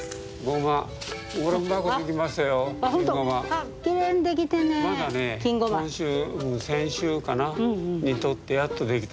まだね今週先週かなにとってやっと出来た。